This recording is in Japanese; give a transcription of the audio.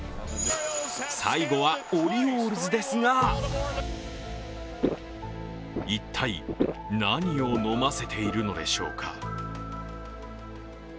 最後のオリオールズですが一体、何を飲ませているのでしょうか？